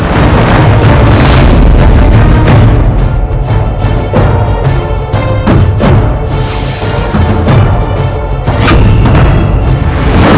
kau bisa mundur